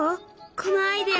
このアイデア。